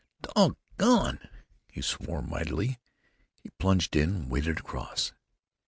"Dog gone!" he swore, mightily. He plunged in, waded across.